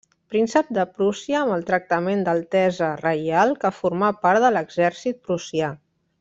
Príncep de Prússia amb el tractament d'altesa reial que formà part de l'exèrcit prussià.